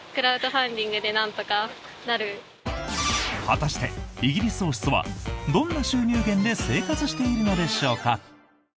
果たして、イギリス王室はどんな収入源で生活しているのでしょうか？